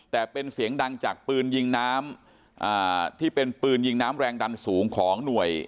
แต่เป็นเสียงดังจากปืนยิงน้ำอ่าที่เป็นปืนยิงน้ำแรงดันสูงของหน่วย